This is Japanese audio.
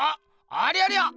ありゃりゃ！